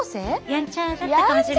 やんちゃだったかもしれません。